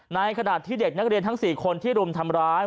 ในขณะที่เด็กนักเรียนทั้ง๔คนที่รุมทำร้าย